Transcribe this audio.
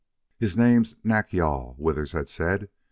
"His name's Nack yal," Withers had said.